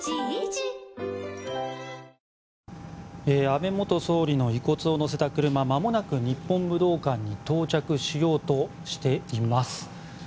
安倍元総理の遺骨を乗せた車まもなく日本武道館に到着しようとしています。